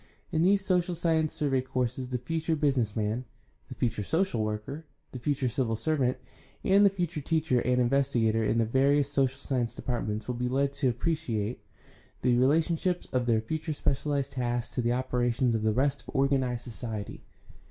In these social science survey courses the future business man, the future social worker, the future civil servant, and the future teacher and investigator in the various social science departments will be led to appreciate the relationships of their future specialized tasks to the operations of the rest of organized society.